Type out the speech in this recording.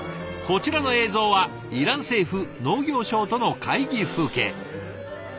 こちらの映像はイラン政府農業省との会議風景。